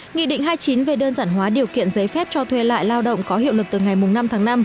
nghị định hai mươi chín về đơn giản hóa điều kiện giấy phép cho thuê lại lao động có hiệu lực từ ngày năm tháng năm